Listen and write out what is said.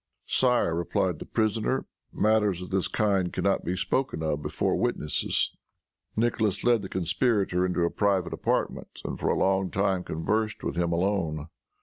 "Sire," replied the prisoner, "matters of this kind can not be spoken of before witnesses." Nicholas led the conspirator into a private apartment, and for a long time conversed with him alone.